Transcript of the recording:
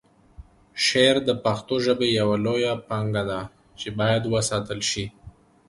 شعر د پښتو ژبې یوه لویه پانګه ده چې باید وساتل شي.